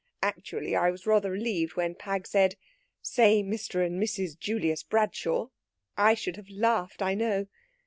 Actually, I was rather relieved when Pag said, 'Say Mr. and Mrs. Julius Bradshaw.' I should have laughed, I know.